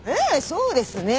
そうですね。